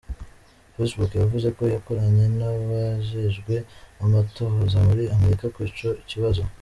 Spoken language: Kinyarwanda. Facebook yavuze ko yakoranye n'abajejwe amatohoza muri Amerika kuri ico kibazo.